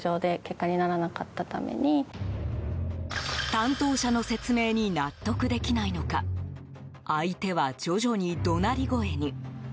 担当者の説明に納得できないのか相手は徐々に怒鳴り声に。